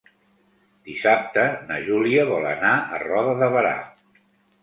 Dissabte na Júlia vol anar a Roda de Berà.